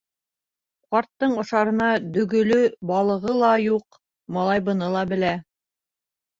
Ҡарттың ашарына дөгөлө балығы ла юҡ, малай быны ла белә.